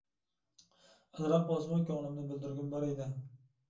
ئازراق بولسىمۇ كۆڭلۈمنى بىلدۈرگۈم بار ئىدى.